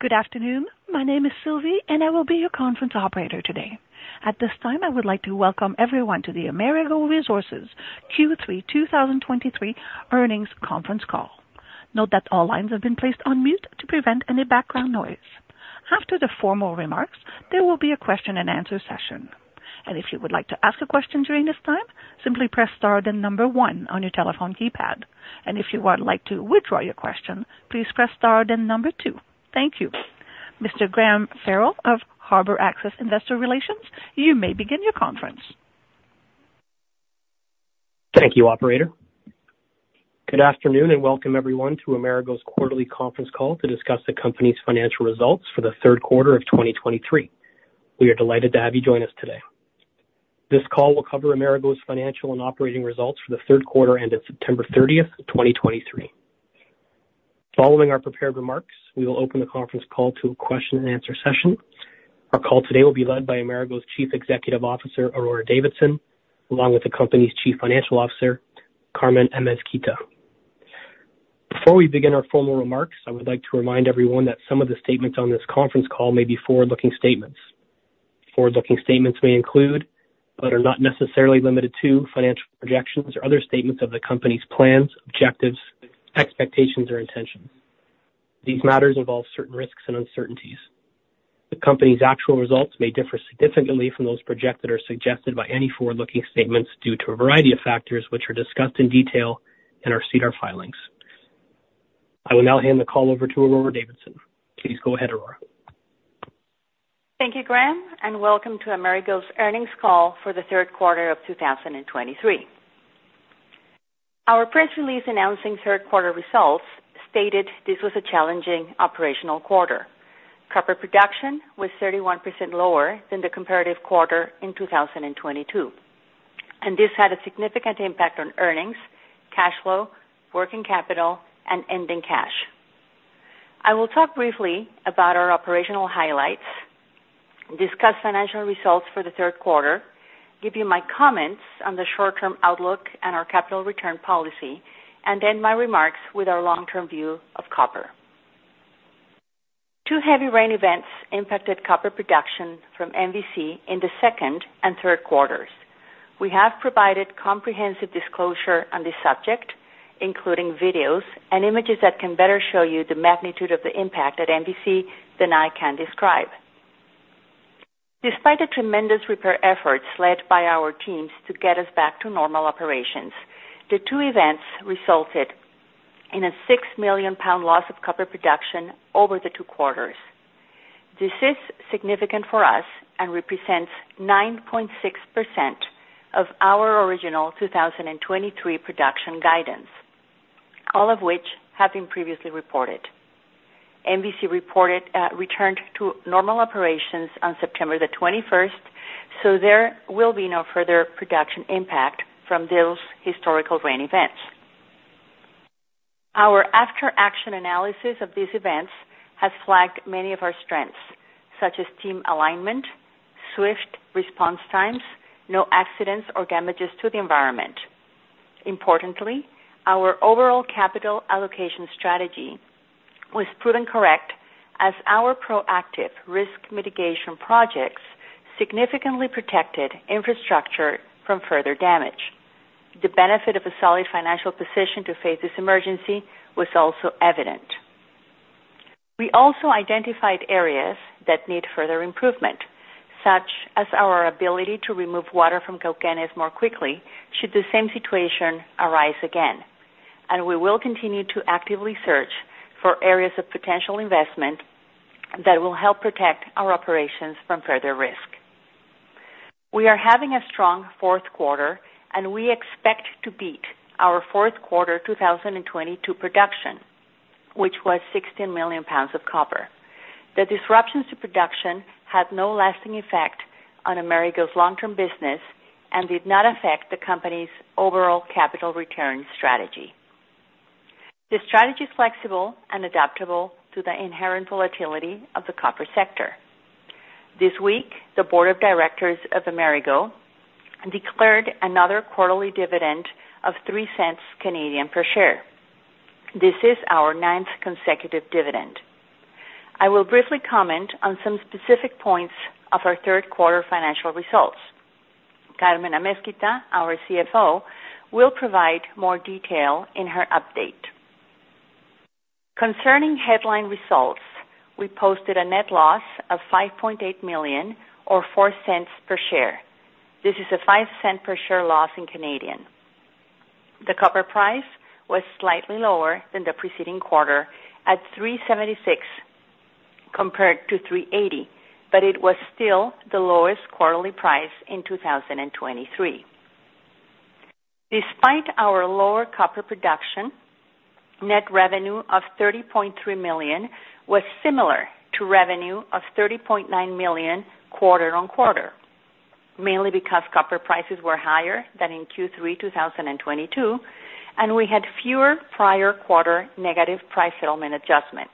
Good afternoon. My name is Sylvie, and I will be your conference operator today. At this time, I would like to welcome everyone to the Amerigo Resources Q3 2023 Earnings Conference Call. Note that all lines have been placed on mute to prevent any background noise. After the formal remarks, there will be a question-and-answer session. If you would like to ask a question during this time, simply press star, then number one on your telephone keypad. If you would like to withdraw your question, please press star, then number two. Thank you. Mr. Graham Farrell of Harbor Access Investor Relations, you may begin your conference. Thank you, operator. Good afternoon, and welcome everyone to Amerigo's quarterly conference call to discuss the company's financial results for the third quarter of 2023. We are delighted to have you join us today. This call will cover Amerigo's financial and operating results for the third quarter ended September 30, 2023. Following our prepared remarks, we will open the conference call to a question-and-answer session. Our call today will be led by Amerigo's Chief Executive Officer, Aurora Davidson, along with the company's Chief Financial Officer, Carmen Amezquita. Before we begin our formal remarks, I would like to remind everyone that some of the statements on this conference call may be forward-looking statements. Forward-looking statements may include, but are not necessarily limited to, financial projections or other statements of the company's plans, objectives, expectations, or intentions. These matters involve certain risks and uncertainties. The company's actual results may differ significantly from those projected or suggested by any forward-looking statements due to a variety of factors, which are discussed in detail in our SEDAR filings. I will now hand the call over to Aurora Davidson. Please go ahead, Aurora. Thank you, Graham, and welcome to Amerigo's earnings call for the third quarter of 2023. Our press release announcing third quarter results stated this was a challenging operational quarter. Copper production was 31% lower than the comparative quarter in 2022, and this had a significant impact on earnings, cash flow, working capital, and ending cash. I will talk briefly about our operational highlights, discuss financial results for the third quarter, give you my comments on the short-term outlook and our capital return policy, and end my remarks with our long-term view of copper. 2 heavy rain events impacted copper production from MVC in the second and third quarters. We have provided comprehensive disclosure on this subject, including videos and images that can better show you the magnitude of the impact at MVC than I can describe. Despite the tremendous repair efforts led by our teams to get us back to normal operations, the two events resulted in a 6 million pound loss of copper production over the two quarters. This is significant for us and represents 9.6% of our original 2023 production guidance, all of which have been previously reported. MVC reported, returned to normal operations on September 21, so there will be no further production impact from those historical rain events. Our after-action analysis of these events has flagged many of our strengths, such as team alignment, swift response times, no accidents or damages to the environment. Importantly, our overall capital allocation strategy was proven correct as our proactive risk mitigation projects significantly protected infrastructure from further damage. The benefit of a solid financial position to face this emergency was also evident. We also identified areas that need further improvement, such as our ability to remove water from Cauquenes more quickly should the same situation arise again, and we will continue to actively search for areas of potential investment that will help protect our operations from further risk. We are having a strong fourth quarter, and we expect to beat our fourth quarter 2022 production, which was 16 million pounds of copper. The disruptions to production had no lasting effect on Amerigo's long-term business and did not affect the company's overall capital return strategy. The strategy is flexible and adaptable to the inherent volatility of the copper sector. This week, the board of directors of Amerigo declared another quarterly dividend of 0.03 per share. This is our ninth consecutive dividend. I will briefly comment on some specific points of our third quarter financial results. Carmen Amezquita, our CFO, will provide more detail in her update. Concerning headline results, we posted a net loss of $5.8 million, or $0.04 per share. This is a 0.05 per share loss in Canadian. The copper price was slightly lower than the preceding quarter at $3.76, compared to $3.80, but it was still the lowest quarterly price in 2023. Despite our lower copper production, net revenue of $30.3 million was similar to revenue of $30.9 million quarter-on-quarter, mainly because copper prices were higher than in Q3 2022, and we had fewer prior quarter negative price settlement adjustments.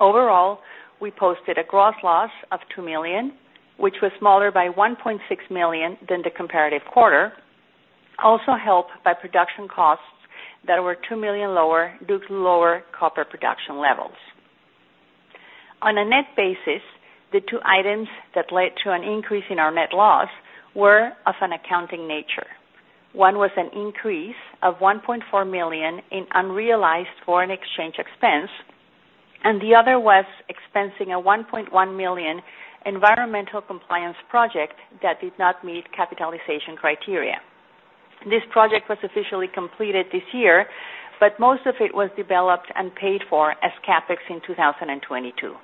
Overall, we posted a gross loss of $2 million, which was smaller by $1.6 million than the comparative quarter.... also helped by production costs that were $2 million lower due to lower copper production levels. On a net basis, the two items that led to an increase in our net loss were of an accounting nature. One was an increase of $1.4 million in unrealized foreign exchange expense, and the other was expensing a $1.1 million environmental compliance project that did not meet capitalization criteria. This project was officially completed this year, but most of it was developed and paid for as CapEx in 2022.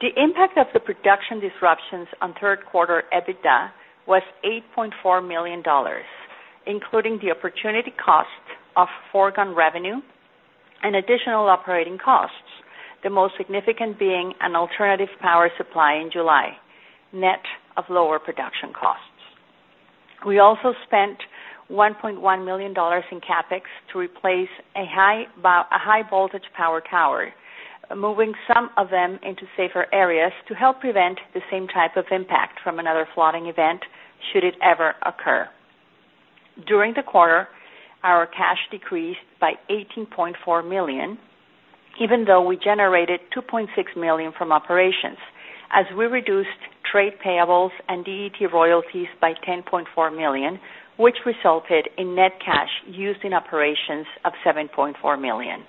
The impact of the production disruptions on third quarter EBITDA was $8.4 million, including the opportunity costs of foregone revenue and additional operating costs, the most significant being an alternative power supply in July, net of lower production costs. We also spent $1.1 million in CapEx to replace a high voltage power tower, moving some of them into safer areas to help prevent the same type of impact from another flooding event should it ever occur. During the quarter, our cash decreased by $18.4 million, even though we generated $2.6 million from operations, as we reduced trade payables and DET royalties by $10.4 million, which resulted in net cash used in operations of $7.4 million.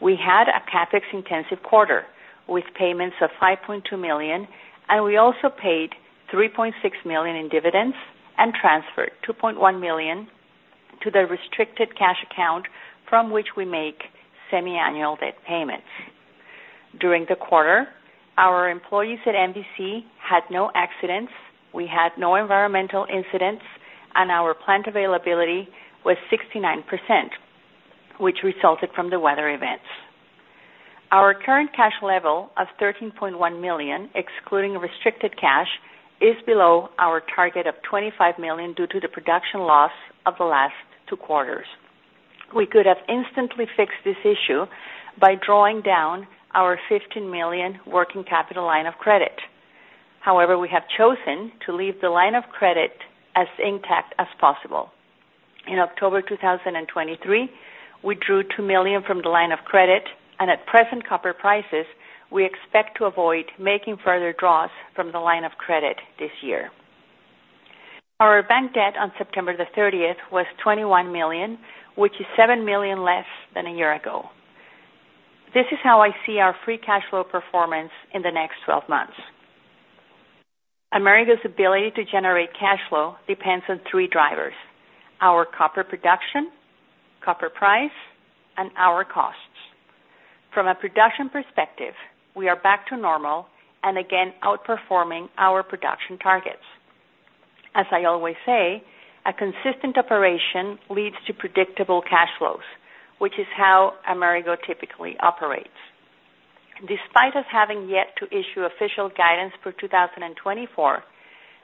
We had a CapEx-intensive quarter, with payments of $5.2 million, and we also paid $3.6 million in dividends and transferred $2.1 million to the restricted cash account from which we make semiannual debt payments. During the quarter, our employees at MVC had no accidents, we had no environmental incidents, and our plant availability was 69%, which resulted from the weather events. Our current cash level of $13.1 million, excluding restricted cash, is below our target of $25 million due to the production loss of the last two quarters. We could have instantly fixed this issue by drawing down our $15 million working capital line of credit. However, we have chosen to leave the line of credit as intact as possible. In October 2023, we drew $2 million from the line of credit, and at present copper prices, we expect to avoid making further draws from the line of credit this year. Our bank debt on September 30 was $21 million, which is $7 million less than a year ago. This is how I see our free cash flow performance in the next 12 months. Amerigo's ability to generate cash flow depends on three drivers: our copper production, copper price, and our costs. From a production perspective, we are back to normal and again outperforming our production targets. As I always say, a consistent operation leads to predictable cash flows, which is how Amerigo typically operates. Despite us having yet to issue official guidance for 2024,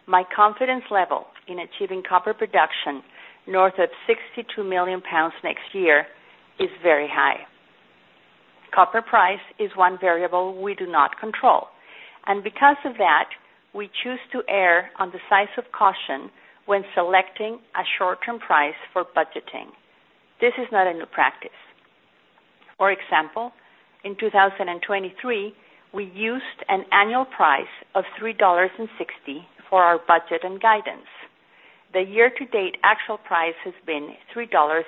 my confidence level in achieving copper production north of 62 million pounds next year is very high. Copper price is one variable we do not control, and because of that, we choose to err on the side of caution when selecting a short-term price for budgeting. This is not a new practice. For example, in 2023, we used an annual price of $3.60 for our budget and guidance. The year-to-date actual price has been $3.86,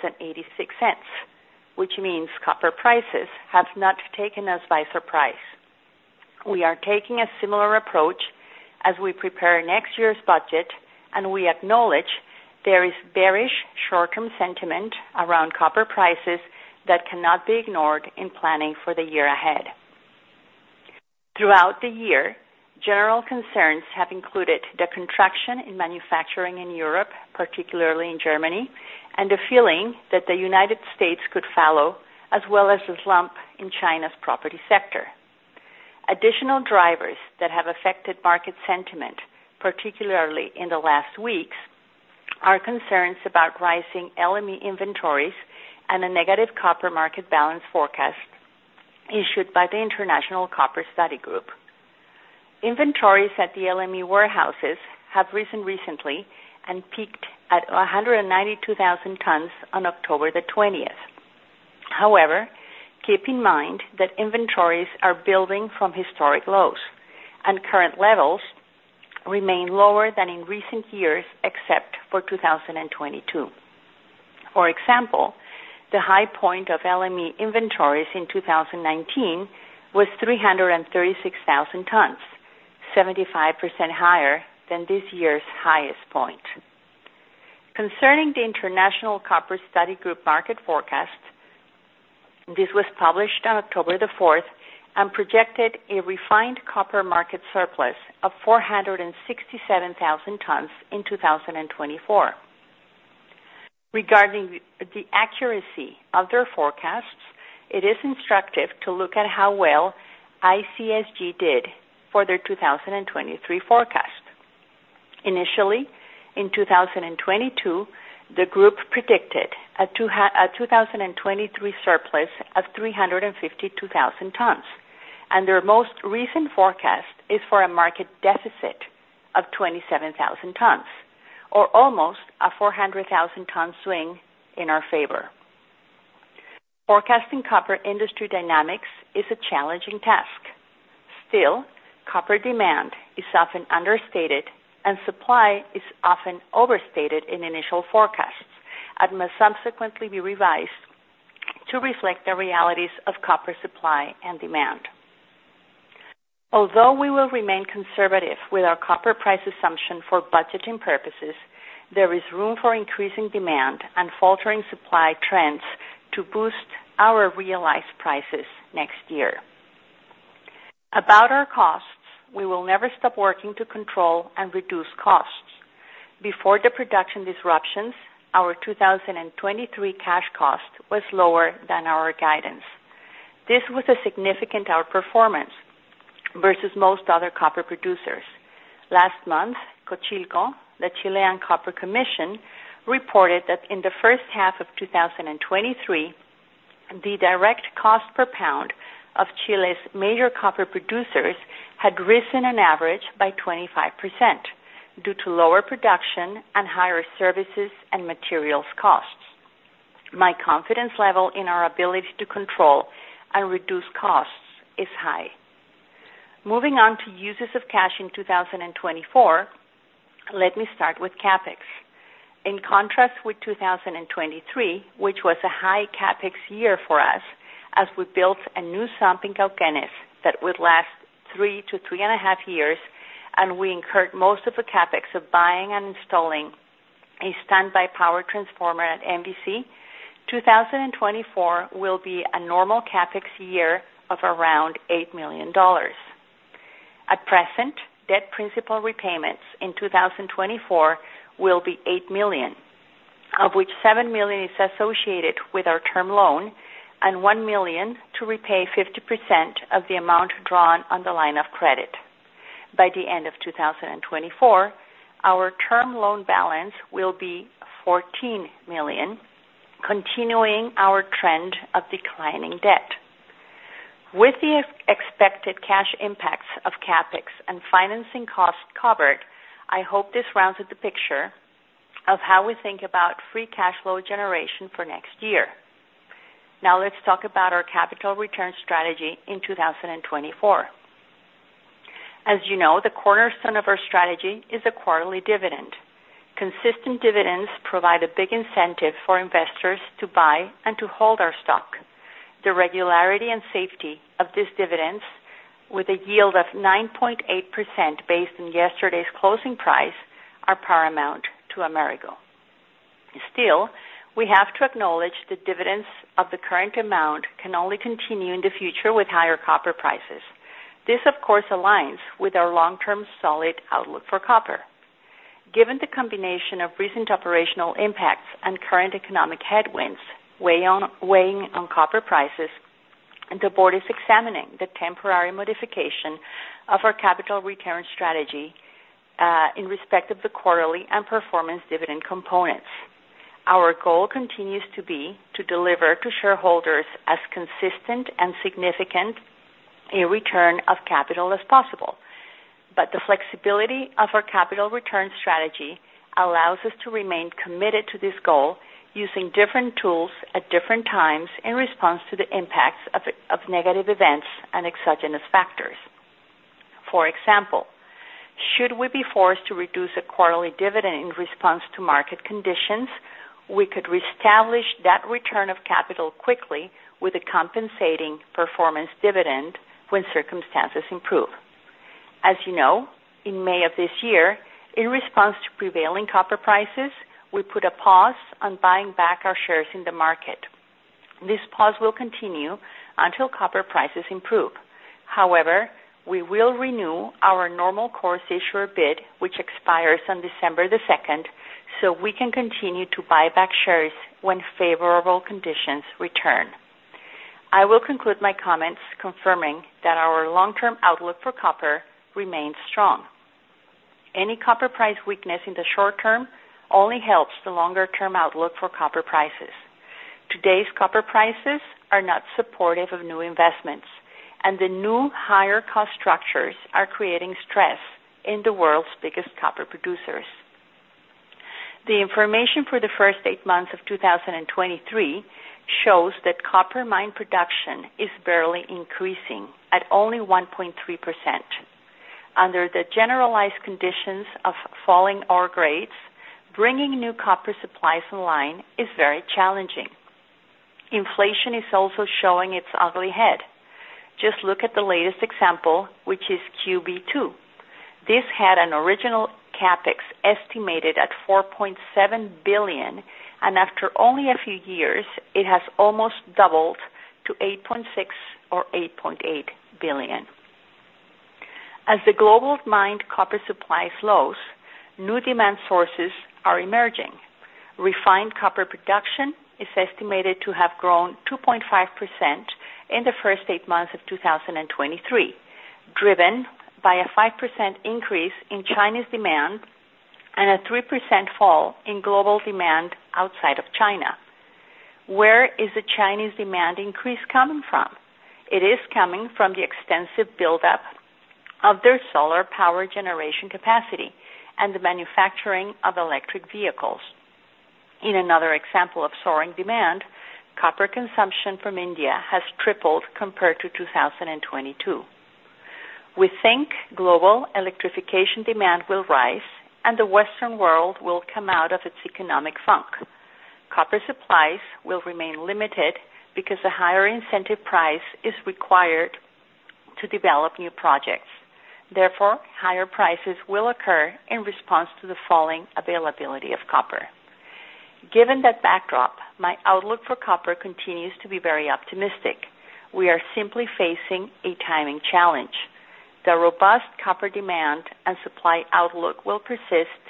which means copper prices have not taken us by surprise. We are taking a similar approach as we prepare next year's budget, and we acknowledge there is bearish short-term sentiment around copper prices that cannot be ignored in planning for the year ahead. Throughout the year, general concerns have included the contraction in manufacturing in Europe, particularly in Germany, and a feeling that the United States could follow, as well as a slump in China's property sector. Additional drivers that have affected market sentiment, particularly in the last weeks, are concerns about rising LME inventories and a negative copper market balance forecast issued by the International Copper Study Group. Inventories at the LME warehouses have risen recently and peaked at 192,000 tons on October 20. However, keep in mind that inventories are building from historic lows, and current levels remain lower than in recent years, except for 2022. For example, the high point of LME inventories in 2019 was 336,000 tons, 75% higher than this year's highest point. Concerning the International Copper Study Group market forecast, this was published on October 4 and projected a refined copper market surplus of 467,000 tons in 2024. Regarding the accuracy of their forecasts, it is instructive to look at how well ICSG did for their 2023 forecast. Initially, in 2022, the group predicted a 2023 surplus of 352,000 tons... and their most recent forecast is for a market deficit of 27,000 tons, or almost a 400,000-ton swing in our favor. Forecasting copper industry dynamics is a challenging task. Still, copper demand is often understated and supply is often overstated in initial forecasts, and must subsequently be revised to reflect the realities of copper supply and demand. Although we will remain conservative with our copper price assumption for budgeting purposes, there is room for increasing demand and faltering supply trends to boost our realized prices next year. About our costs, we will never stop working to control and reduce costs. Before the production disruptions, our 2023 cash cost was lower than our guidance. This was a significant outperformance versus most other copper producers. Last month, Cochilco, the Chilean Copper Commission, reported that in the first half of 2023, the direct cost per pound of Chile's major copper producers had risen on average by 25% due to lower production and higher services and materials costs. My confidence level in our ability to control and reduce costs is high. Moving on to uses of cash in 2024, let me start with CapEx. In contrast with 2023, which was a high CapEx year for us, as we built a new sump in Cauquenes that would last 3-3.5 years, and we incurred most of the CapEx of buying and installing a standby power transformer at MVC, 2024 will be a normal CapEx year of around $8 million. At present, debt principal repayments in 2024 will be $8 million, of which $7 million is associated with our term loan and $1 million to repay 50% of the amount drawn on the line of credit. By the end of 2024, our term loan balance will be $14 million, continuing our trend of declining debt. With the expected cash impacts of CapEx and financing costs covered, I hope this rounds up the picture of how we think about free cash flow generation for next year. Now, let's talk about our capital return strategy in 2024. As you know, the cornerstone of our strategy is a quarterly dividend. Consistent dividends provide a big incentive for investors to buy and to hold our stock. The regularity and safety of these dividends, with a yield of 9.8% based on yesterday's closing price, are paramount to Amerigo. Still, we have to acknowledge that dividends of the current amount can only continue in the future with higher copper prices. This, of course, aligns with our long-term solid outlook for copper. Given the combination of recent operational impacts and current economic headwinds weighing on copper prices, the board is examining the temporary modification of our capital return strategy in respect of the quarterly and performance dividend components. Our goal continues to be to deliver to shareholders as consistent and significant a return of capital as possible. But the flexibility of our capital return strategy allows us to remain committed to this goal, using different tools at different times in response to the impacts of negative events and exogenous factors. For example, should we be forced to reduce a quarterly dividend in response to market conditions, we could reestablish that return of capital quickly with a compensating performance dividend when circumstances improve. As you know, in May of this year, in response to prevailing copper prices, we put a pause on buying back our shares in the market. This pause will continue until copper prices improve. However, we will renew our Normal Course Issuer Bid, which expires on December 2, so we can continue to buy back shares when favorable conditions return. I will conclude my comments confirming that our long-term outlook for copper remains strong. Any copper price weakness in the short term only helps the longer-term outlook for copper prices. Today's copper prices are not supportive of new investments, and the new higher cost structures are creating stress in the world's biggest copper producers. The information for the first eight months of 2023 shows that copper mine production is barely increasing at only 1.3%. Under the generalized conditions of falling ore grades, bringing new copper supplies in line is very challenging. Inflation is also showing its ugly head. Just look at the latest example, which is QB2. This had an original CapEx estimated at $4.7 billion, and after only a few years, it has almost doubled to $8.6-$8.8 billion. As the global mined copper supply slows, new demand sources are emerging. Refined copper production is estimated to have grown 2.5% in the first eight months of 2023, driven by a 5% increase in China's demand and a 3% fall in global demand outside of China.... Where is the Chinese demand increase coming from? It is coming from the extensive buildup of their solar power generation capacity and the manufacturing of electric vehicles. In another example of soaring demand, copper consumption from India has tripled compared to 2022. We think global electrification demand will rise and the Western world will come out of its economic funk. Copper supplies will remain limited because a higher incentive price is required to develop new projects. Therefore, higher prices will occur in response to the falling availability of copper. Given that backdrop, my outlook for copper continues to be very optimistic. We are simply facing a timing challenge. The robust copper demand and supply outlook will persist,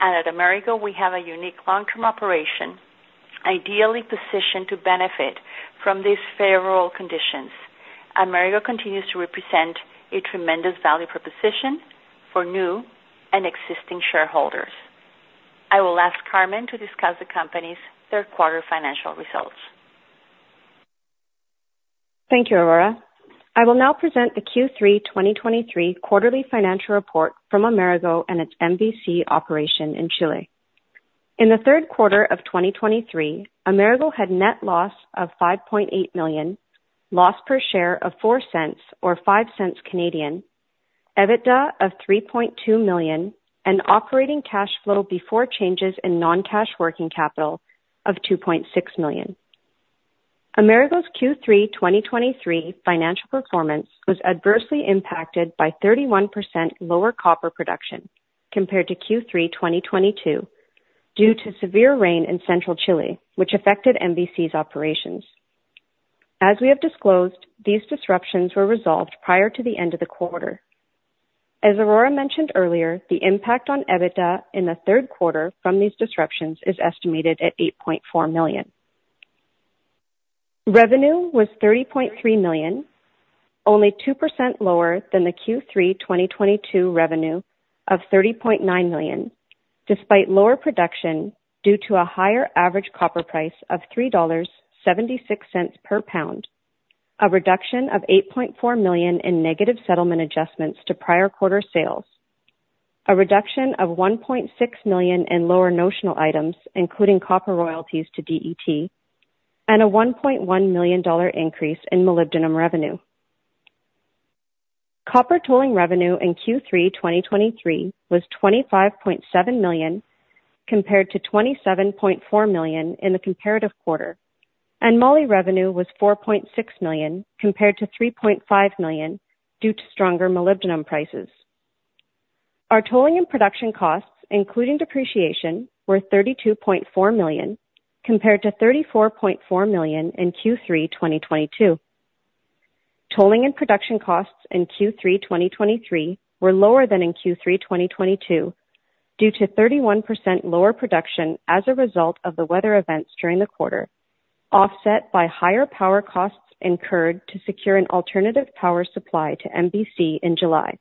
and at Amerigo, we have a unique long-term operation, ideally positioned to benefit from these favorable conditions. Amerigo continues to represent a tremendous value proposition for new and existing shareholders. I will ask Carmen to discuss the company's third quarter financial results. Thank you, Aurora. I will now present the Q3 2023 quarterly financial report from Amerigo and its MVC operation in Chile. In the third quarter of 2023, Amerigo had net loss of $5.8 million, loss per share of $0.04 or 0.05, EBITDA of $3.2 million, and operating cash flow before changes in non-cash working capital of $2.6 million. Amerigo's Q3 2023 financial performance was adversely impacted by 31% lower copper production compared to Q3 2022, due to severe rain in central Chile, which affected MVC's operations. As we have disclosed, these disruptions were resolved prior to the end of the quarter. As Aurora mentioned earlier, the impact on EBITDA in the third quarter from these disruptions is estimated at $8.4 million. Revenue was $30.3 million, only 2% lower than the Q3 2022 revenue of $30.9 million, despite lower production, due to a higher average copper price of $3.76 per pound, a reduction of $8.4 million in negative settlement adjustments to prior quarter sales, a reduction of $1.6 million in lower notional items, including copper royalties to DET, and a $1.1 million increase in molybdenum revenue. Copper tolling revenue in Q3 2023 was $25.7 million, compared to $27.4 million in the comparative quarter, and moly revenue was $4.6 million, compared to $3.5 million, due to stronger molybdenum prices. Our tolling and production costs, including depreciation, were $32.4 million, compared to $34.4 million in Q3 2022. Tolling and production costs in Q3 2023 were lower than in Q3 2022, due to 31% lower production as a result of the weather events during the quarter, offset by higher power costs incurred to secure an alternative power supply to MVC in July.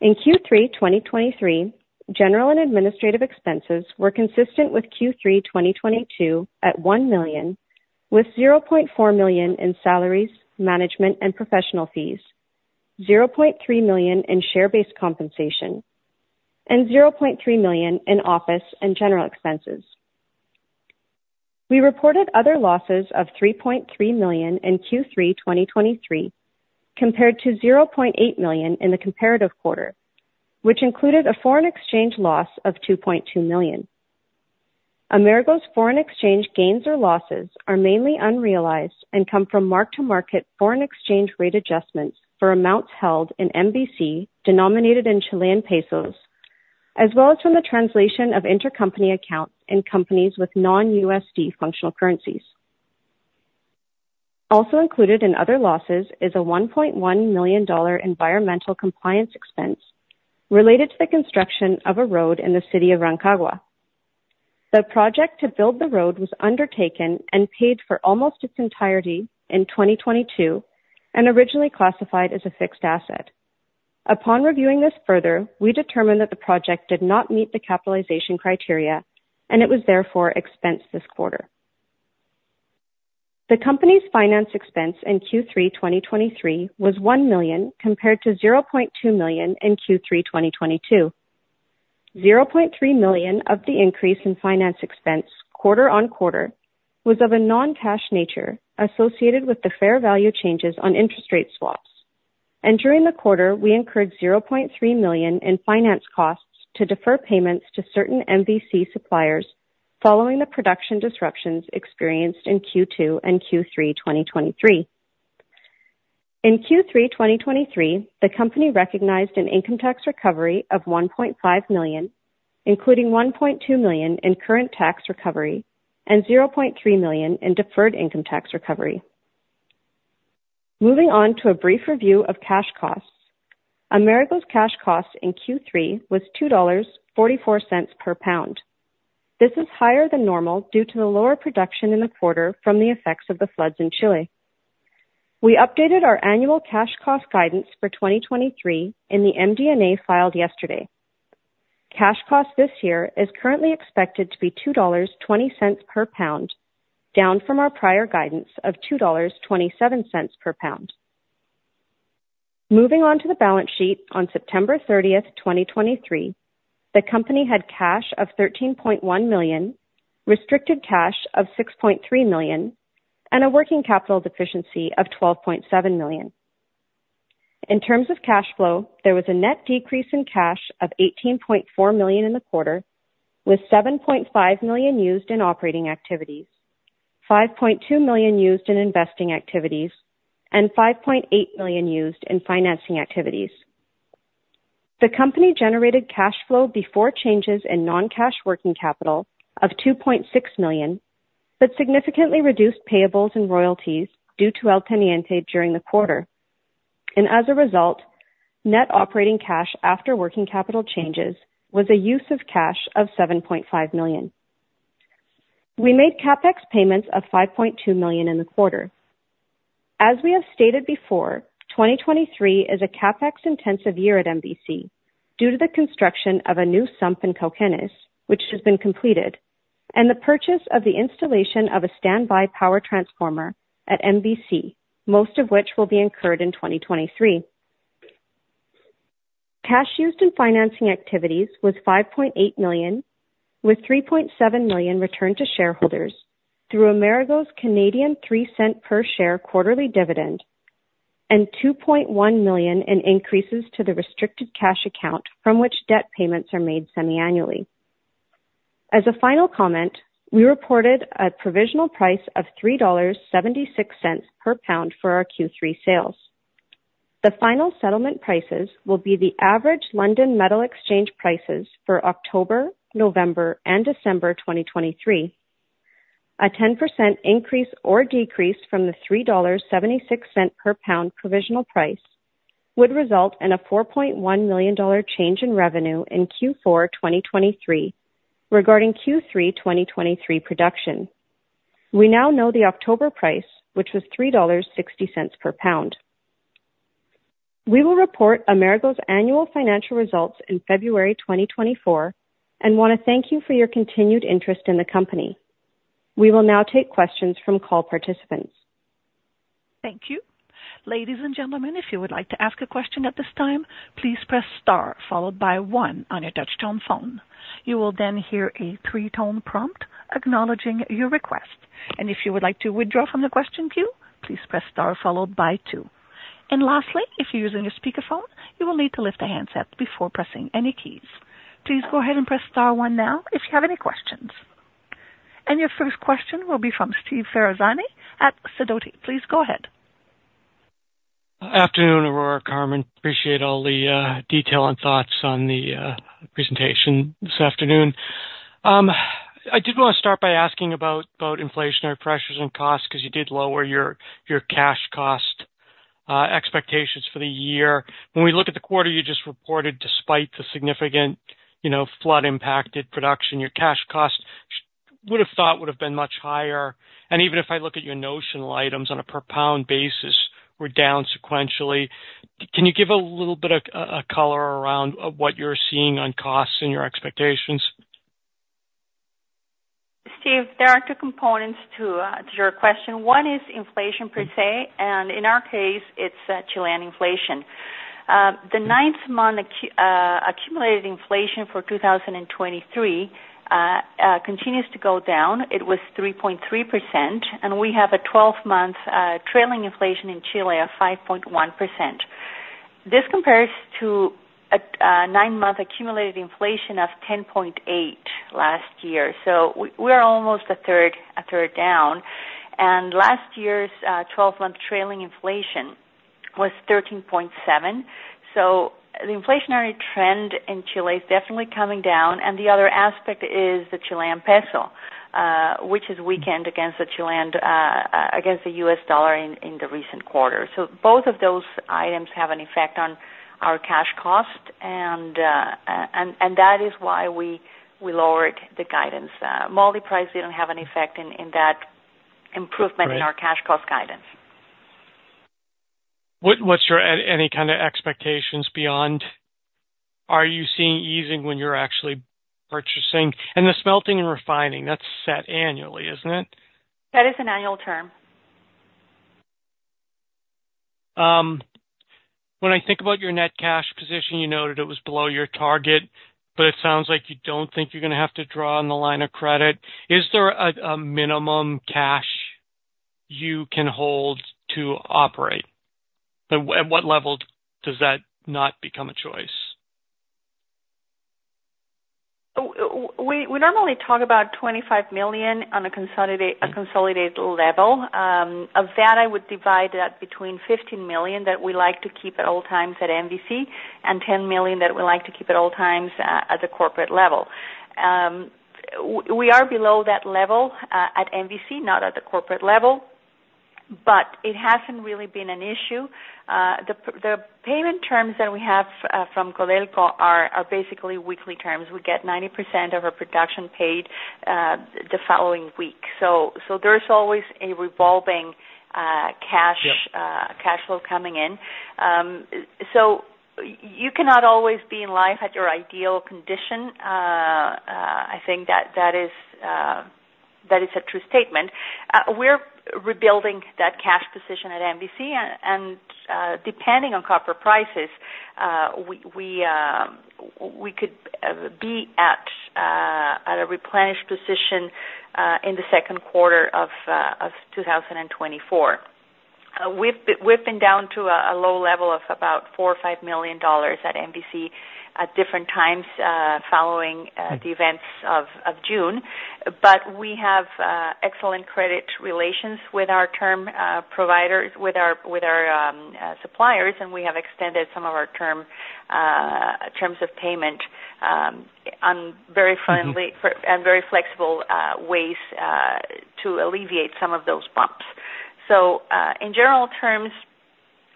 In Q3 2023, general and administrative expenses were consistent with Q3 2022 at $1 million, with $0.4 million in salaries, management, and professional fees, $0.3 million in share-based compensation, and $0.3 million in office and general expenses. We reported other losses of $3.3 million in Q3 2023, compared to $0.8 million in the comparative quarter, which included a foreign exchange loss of $2.2 million. Amerigo's foreign exchange gains or losses are mainly unrealized and come from mark-to-market foreign exchange rate adjustments for amounts held in MVC, denominated in Chilean pesos, as well as from the translation of intercompany accounts in companies with non-USD functional currencies. Also included in other losses is a $1.1 million environmental compliance expense related to the construction of a road in the city of Rancagua. The project to build the road was undertaken and paid for almost its entirety in 2022 and originally classified as a fixed asset. Upon reviewing this further, we determined that the project did not meet the capitalization criteria, and it was therefore expensed this quarter. The company's finance expense in Q3 2023 was $1 million, compared to $0.2 million in Q3 2022. $0.3 million of the increase in finance expense quarter-on-quarter was of a non-cash nature associated with the fair value changes on interest rate swaps. During the quarter, we incurred $0.3 million in finance costs to defer payments to certain MVC suppliers following the production disruptions experienced in Q2 and Q3 2023. In Q3 2023, the company recognized an income tax recovery of $1.5 million, including $1.2 million in current tax recovery and $0.3 million in deferred income tax recovery. Moving on to a brief review of cash costs. Amerigo's cash costs in Q3 was $2.44 per pound. This is higher than normal due to the lower production in the quarter from the effects of the floods in Chile. We updated our annual cash cost guidance for 2023 in the MD&A filed yesterday. Cash cost this year is currently expected to be $2.20 per pound, down from our prior guidance of $2.27 per pound. Moving on to the balance sheet, on September thirtieth, 2023, the company had cash of $13.1 million, restricted cash of $6.3 million, and a working capital deficiency of $12.7 million. In terms of cash flow, there was a net decrease in cash of $18.4 million in the quarter, with $7.5 million used in operating activities, $5.2 million used in investing activities, and $5.8 million used in financing activities. The company generated cash flow before changes in non-cash working capital of $2.6 million, but significantly reduced payables and royalties due to El Teniente during the quarter, and as a result, net operating cash after working capital changes was a use of cash of $7.5 million. We made CapEx payments of $5.2 million in the quarter. As we have stated before, 2023 is a CapEx-intensive year at MVC due to the construction of a new sump in Cauquenes, which has been completed, and the purchase of the installation of a standby power transformer at MVC, most of which will be incurred in 2023. Cash used in financing activities was $5.8 million, with $3.7 million returned to shareholders through Amerigo's Canadian 3-cent per share quarterly dividend and $2.1 million in increases to the restricted cash account from which debt payments are made semi-annually. As a final comment, we reported a provisional price of $3.76 per pound for our Q3 sales. The final settlement prices will be the average London Metal Exchange prices for October, November, and December 2023. A 10% increase or decrease from the $3.76 per pound provisional price would result in a $4.1 million change in revenue in Q4 2023 regarding Q3 2023 production. We now know the October price, which was $3.60 per pound. We will report Amerigo's annual financial results in February 2024, and want to thank you for your continued interest in the company. We will now take questions from call participants. Thank you. Ladies and gentlemen, if you would like to ask a question at this time, please press star followed by 1 on your touchtone phone. You will then hear a 3-tone prompt acknowledging your request, and if you would like to withdraw from the question queue, please press star followed by 2. Lastly, if you're using a speakerphone, you will need to lift the handset before pressing any keys. Please go ahead and press star 1 now if you have any questions. Your first question will be from Steve Ferazani at Sidoti. Please go ahead. Afternoon, Aurora, Carmen. Appreciate all the detail and thoughts on the presentation this afternoon. I did want to start by asking about inflationary pressures and costs, because you did lower your cash cost expectations for the year. When we look at the quarter you just reported, despite the significant, you know, flood-impacted production, your cash cost would have thought would have been much higher. Even if I look at your notional items on a per pound basis, we're down sequentially. Can you give a little bit of a color around what you're seeing on costs and your expectations? Steve, there are two components to, to your question. One is inflation per se, and in our case, it's, Chilean inflation. The ninth-month accumulated inflation for 2023 continues to go down. It was 3.3%, and we have a 12-month, trailing inflation in Chile of 5.1%. This compares to a, nine-month accumulated inflation of 10.8% last year. So we are almost a third, a third down. And last year's, 12-month trailing inflation was 13.7%. So the inflationary trend in Chile is definitely coming down, and the other aspect is the Chilean peso, which is weakened against the Chilean, against the US dollar in, in the recent quarter. So both of those items have an effect on our cash cost, and that is why we lowered the guidance. Moly price didn't have an effect in that improvement- Right. -in our cash cost guidance. What's your any kind of expectations beyond...? Are you seeing easing when you're actually purchasing? And the smelting and refining, that's set annually, isn't it? That is an annual term. When I think about your net cash position, you noted it was below your target, but it sounds like you don't think you're going to have to draw on the line of credit. Is there a minimum cash you can hold to operate? At what level does that not become a choice? Oh, we normally talk about $25 million on a consolidated level. Of that, I would divide that between $15 million that we like to keep at all times at MVC and $10 million that we like to keep at all times at the corporate level. We are below that level at MVC, not at the corporate level, but it hasn't really been an issue. The payment terms that we have from Codelco are basically weekly terms. We get 90% of our production paid the following week. So there's always a revolving cash- Yep. cash flow coming in. So you cannot always be in life at your ideal condition. I think that, that is, that is a true statement. We're rebuilding that cash position at MVC, and depending on copper prices, we could be at a replenished position in the second quarter of 2024. We've been down to a low level of about $4-$5 million at MVC at different times, following the events of June. But we have excellent credit relations with our term providers, with our suppliers, and we have extended some of our term terms of payment on very friendly- Mm-hmm. for, and very flexible ways to alleviate some of those bumps. So, in general terms,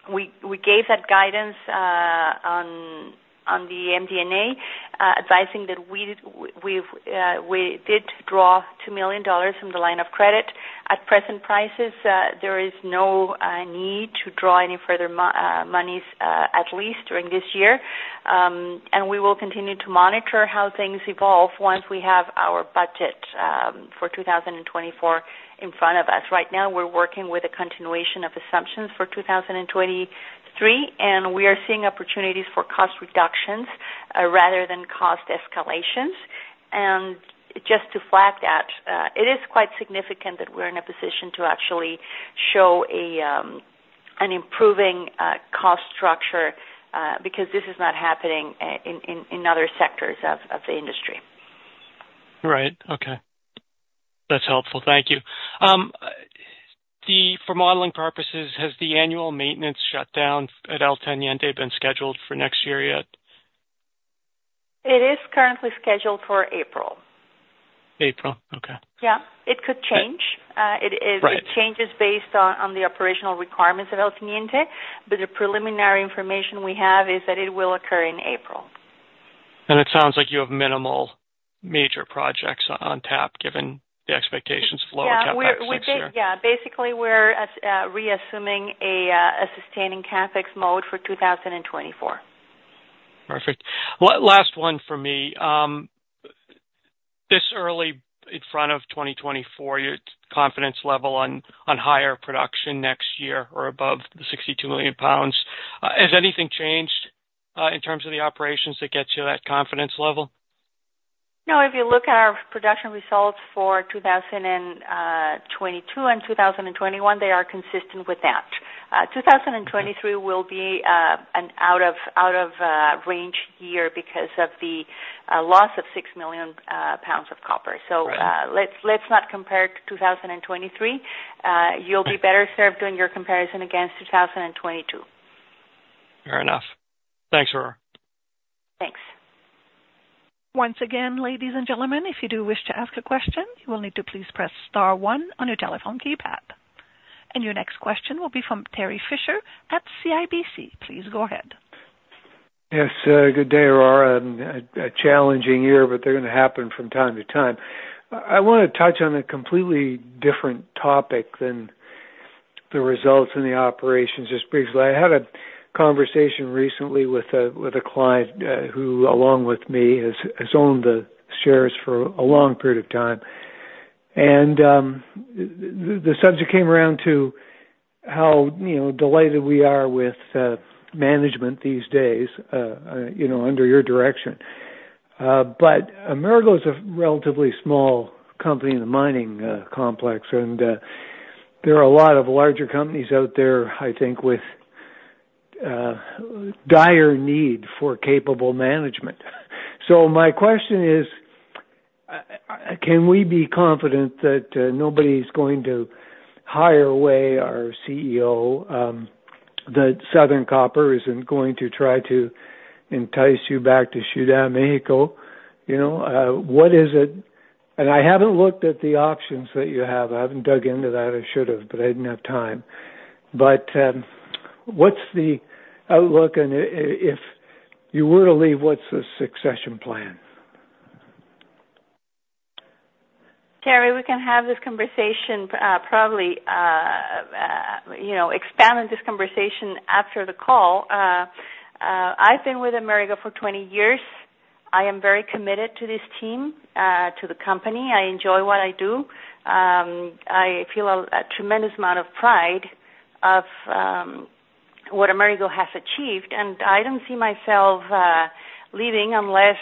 we gave that guidance on the MD&A, advising that we did draw $2 million from the line of credit. At present prices, there is no need to draw any further monies, at least during this year. And we will continue to monitor how things evolve once we have our budget for 2024 in front of us. Right now, we're working with a continuation of assumptions for 2023, and we are seeing opportunities for cost reductions rather than cost escalations. Just to flag that, it is quite significant that we're in a position to actually show an improving cost structure, because this is not happening in other sectors of the industry. Right. Okay. That's helpful. Thank you. For modeling purposes, has the annual maintenance shutdown at El Teniente been scheduled for next year yet? It is currently scheduled for April. April, okay. Yeah. It could change. Right. It is- Right. It changes based on the operational requirements of El Teniente, but the preliminary information we have is that it will occur in April. It sounds like you have minimal major projects on tap, given the expectations of lower CapEx next year. Yeah, basically, we're reassuming a sustaining CapEx mode for 2024. Perfect. Last one for me. This early in front of 2024, your confidence level on higher production next year or above the 62 million pounds, has anything changed in terms of the operations that get you to that confidence level? No. If you look at our production results for 2022 and 2021, they are consistent with that. 2023- Mm-hmm. will be an out-of-range year because of the loss of 6 million pounds of copper. Right. So, let's not compare to 2023. Right. You'll be better served doing your comparison against 2022. Fair enough. Thanks, Aurora. Thanks. Once again, ladies and gentlemen, if you do wish to ask a question, you will need to please press star one on your telephone keypad. Your next question will be from Terry Fisher at CIBC. Please go ahead. Yes, good day, Aurora, and a challenging year, but they're gonna happen from time to time. I wanna touch on a completely different topic than the results in the operations, just briefly. I had a conversation recently with a client, who, along with me, has owned the shares for a long period of time. The subject came around to how, you know, delighted we are with management these days, you know, under your direction. But Amerigo is a relatively small company in the mining complex, and there are a lot of larger companies out there, I think, with dire need for capable management. So my question is, can we be confident that nobody's going to hire away our CEO, that Southern Copper isn't going to try to entice you back to South America? You know, what is it... And I haven't looked at the options that you have. I haven't dug into that. I should have, but I didn't have time. But, what's the outlook? And if you were to leave, what's the succession plan? Terry, we can have this conversation, probably, you know, expand on this conversation after the call. I've been with Amerigo for 20 years. I am very committed to this team, to the company. I enjoy what I do. I feel a tremendous amount of pride of what Amerigo has achieved, and I don't see myself leaving unless,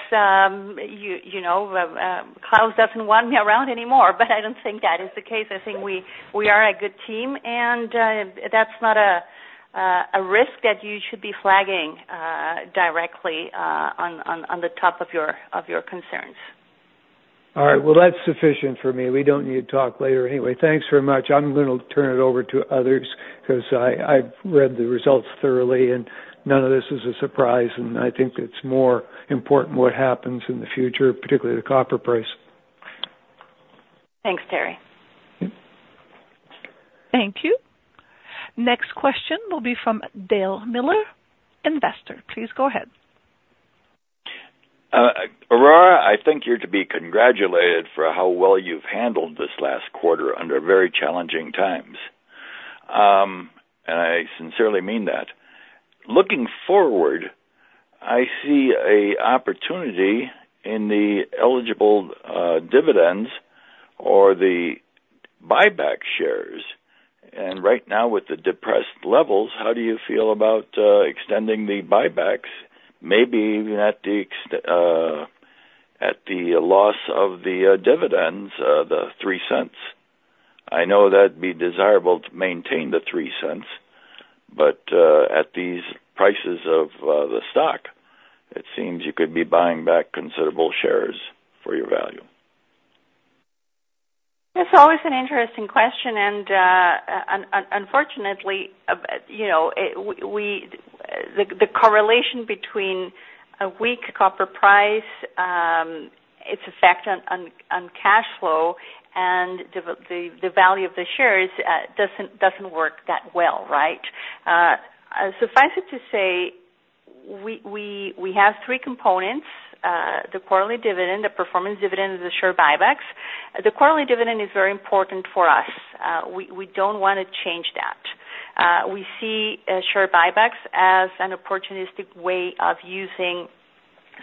you know, Klaus doesn't want me around anymore. But I don't think that is the case. I think we are a good team, and that's not a risk that you should be flagging directly on the top of your concerns. All right. Well, that's sufficient for me. We don't need to talk later anyway. Thanks very much. I'm gonna turn it over to others because I, I've read the results thoroughly, and none of this is a surprise, and I think it's more important what happens in the future, particularly the copper price. Thanks, Terry. Mm-hmm. Thank you. Next question will be from Dale Miller, investor. Please go ahead. Aurora, I think you're to be congratulated for how well you've handled this last quarter under very challenging times. I sincerely mean that. Looking forward, I see a opportunity in the eligible dividends or the buyback shares. Right now, with the depressed levels, how do you feel about extending the buybacks, maybe even at the loss of the dividends, the $0.03? I know that'd be desirable to maintain the $0.03, but at these prices of the stock, it seems you could be buying back considerable shares for your value. It's always an interesting question, and unfortunately, you know, the correlation between a weak copper price, its effect on cash flow and the value of the shares, doesn't work that well, right? Suffice it to say, we have three components: the quarterly dividend, the performance dividend, and the share buybacks. The quarterly dividend is very important for us. We don't wanna change that. We see share buybacks as an opportunistic way of using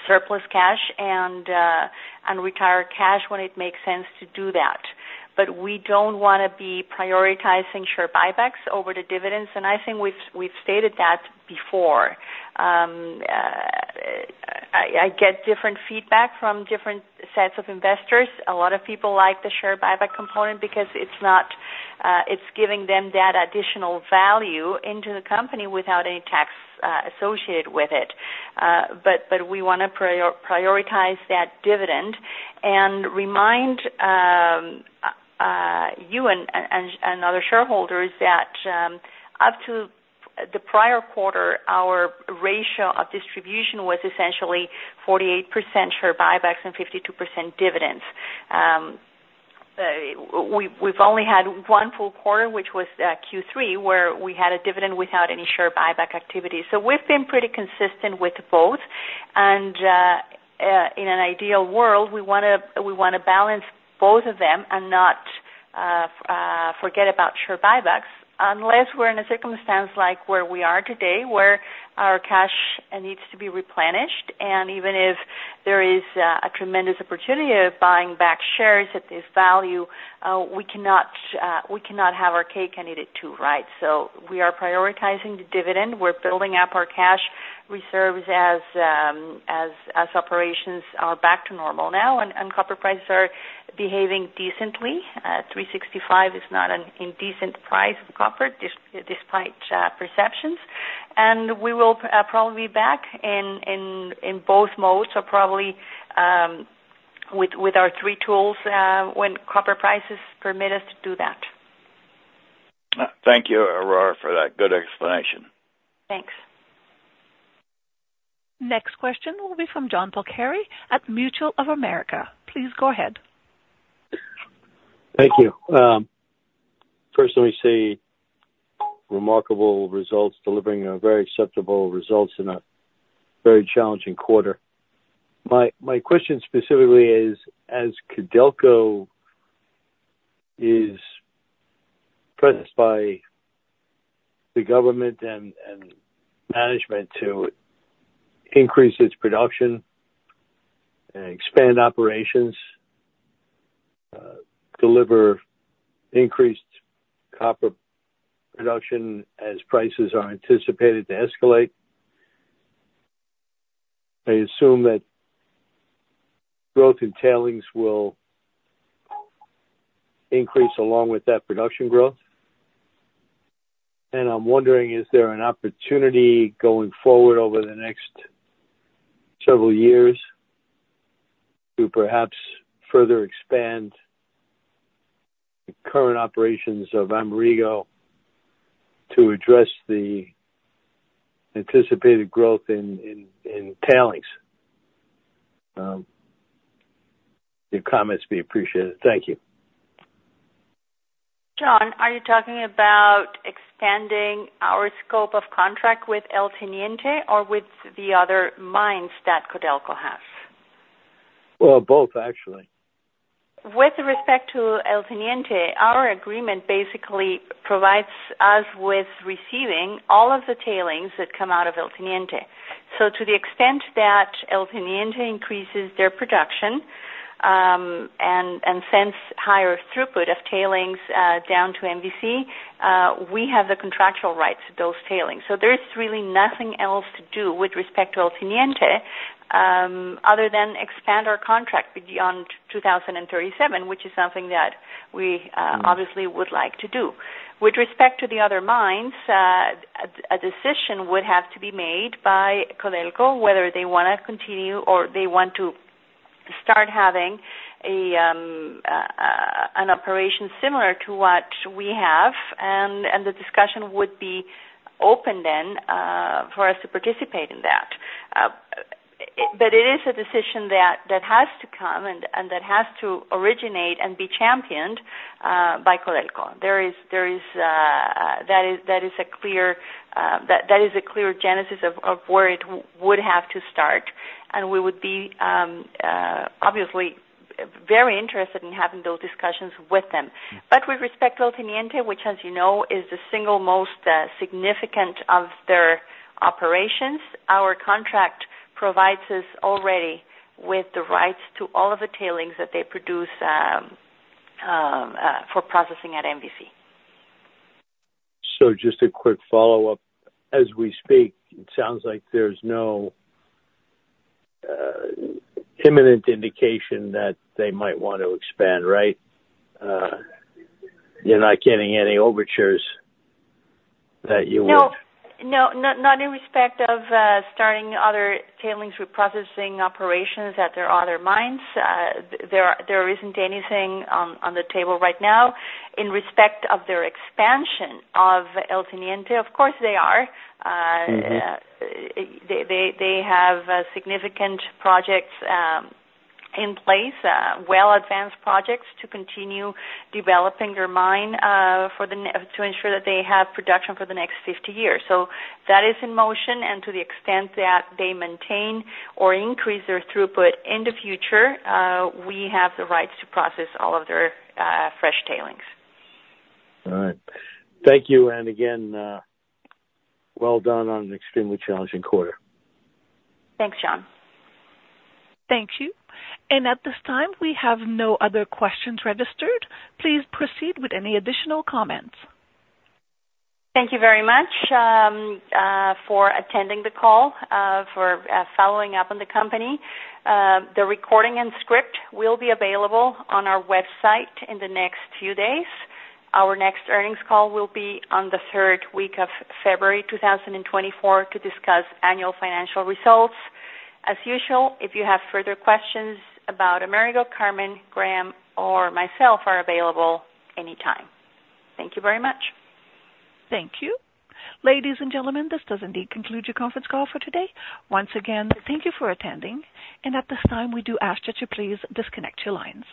surplus cash and retire cash when it makes sense to do that. But we don't wanna be prioritizing share buybacks over the dividends, and I think we've stated that before. I get different feedback from different sets of investors. A lot of people like the share buyback component because it's not, it's giving them that additional value into the company without any tax associated with it. But we wanna prioritize that dividend and remind you and other shareholders that up to the prior quarter, our ratio of distribution was essentially 48% share buybacks and 52% dividends. We've only had one full quarter, which was Q3, where we had a dividend without any share buyback activity. So we've been pretty consistent with both. And in an ideal world, we wanna balance both of them and not forget about share buybacks, unless we're in a circumstance like where we are today, where our cash needs to be replenished. And even if there is, a tremendous opportunity of buying back shares at this value, we cannot, we cannot have our cake and eat it, too, right? So we are prioritizing the dividend. We're building up our cash reserves as, as operations are back to normal now, and copper prices are behaving decently. $365 is not an indecent price of copper, despite perceptions. And we will, probably be back in, in both modes or probably, with our three tools, when copper prices permit us to do that. Thank you, Aurora, for that good explanation. Thanks. Next question will be from John Polcari at Mutual of America. Please go ahead. Thank you. First let me say, remarkable results, delivering a very acceptable results in a very challenging quarter. My question specifically is, as Codelco is pressed by the government and management to increase its production, expand operations, deliver increased copper production as prices are anticipated to escalate, I assume that growth in tailings will increase along with that production growth. And I'm wondering, is there an opportunity going forward over the next several years to perhaps further expand the current operations of Amerigo to address the anticipated growth in tailings? Your comments be appreciated. Thank you. John, are you talking about expanding our scope of contract with El Teniente or with the other mines that Codelco has? Well, both actually. With respect to El Teniente, our agreement basically provides us with receiving all of the tailings that come out of El Teniente. So to the extent that El Teniente increases their production, and sends higher throughput of tailings, down to MVC, we have the contractual rights to those tailings. So there is really nothing else to do with respect to El Teniente, other than expand our contract beyond 2037, which is something that we, obviously would like to do. With respect to the other mines, a decision would have to be made by Codelco, whether they wanna continue or they want to start having an operation similar to what we have, and the discussion would be open then, for us to participate in that. But it is a decision that has to come and that has to originate and be championed by Codelco. There is, that is, a clear genesis of where it would have to start. And we would be obviously very interested in having those discussions with them. But with respect to El Teniente, which, as you know, is the single most significant of their operations, our contract provides us already with the rights to all of the tailings that they produce for processing at MVC. Just a quick follow-up. As we speak, it sounds like there's no imminent indication that they might want to expand, right? You're not getting any overtures that you would? No, no, not, not in respect of starting other tailings reprocessing operations at their other mines. There, there isn't anything on, on the table right now. In respect of their expansion of El Teniente, of course, they are. Mm-hmm. They have significant projects in place, well-advanced projects to continue developing their mine to ensure that they have production for the next 50 years. So that is in motion, and to the extent that they maintain or increase their throughput in the future, we have the rights to process all of their fresh tailings. All right. Thank you, and again, well done on an extremely challenging quarter. Thanks, John. Thank you. At this time, we have no other questions registered. Please proceed with any additional comments. Thank you very much, for attending the call, for following up on the company. The recording and script will be available on our website in the next few days. Our next earnings call will be on the third week of February 2024 to discuss annual financial results. As usual, if you have further questions about Amerigo, Carmen, Graham, or myself are available anytime. Thank you very much. Thank you. Ladies and gentlemen, this does indeed conclude your conference call for today. Once again, thank you for attending, and at this time, we do ask that you please disconnect your lines.